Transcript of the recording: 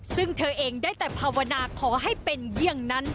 ซึ่งเธอเองได้แต่ภาวนาขอให้เป็นเยี่ยงนั้น